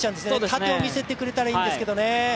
縦を見せてくれたらいいんですけどね。